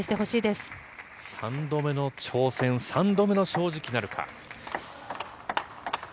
３度目の挑戦、３度目の正直なるか。